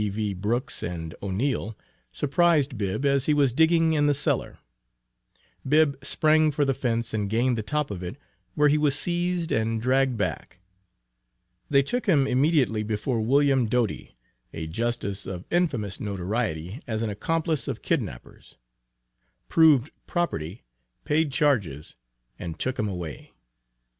V. Brooks and O'Neil, surprised Bibb as he was digging in the cellar. Bibb sprang for the fence and gained the top of it, where he was seized and dragged back. They took him immediately before William Doty, a Justice of infamous notoriety as an accomplice of kidnappers, proved property, paid charges and took him away.